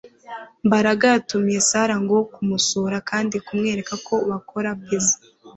mbaraga yatumiye sara ngo kumusura kandi kumwereka uko bakora pizza